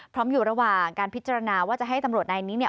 พร้อมอยู่ระหว่างการพิจารณาว่าจะให้ตำรวจนายนี้เนี่ย